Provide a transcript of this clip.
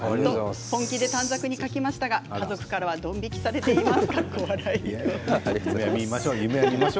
本気で短冊に書きましたが家族からはどん引きされています。